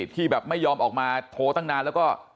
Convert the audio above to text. ที่แบบไม่ยอมออกมาโทรตั้งนานแล้วก็